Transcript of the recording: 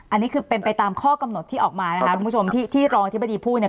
อันนี้คือเป็นไปตามข้อกำหนดที่ออกมานะคะคุณผู้ชมที่ที่รองอธิบดีพูดเนี่ย